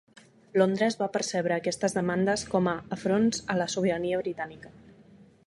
Londres va percebre aquestes demandes com a afronts a la sobirania britànica.